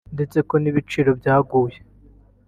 ndetse ko n’ibiciro byaguye